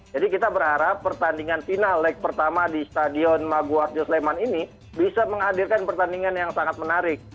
jadi kita berharap pertandingan final leg pertama di stadion maguardo sleman ini bisa menghadirkan pertandingan yang sangat menarik